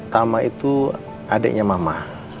tama itu adiknya mama